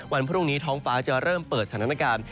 วันพรุ่งนี้ท้องฟ้าจะเริ่มเปิดสถานการณ์